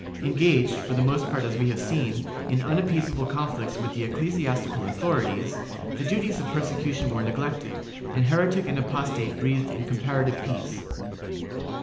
Engaged, for the most part as we have seen, in unappeaseable conflicts with the ecclesiastical authorities, the duties of persecution were neglected, and heretic and apostate breathed in comparative peace.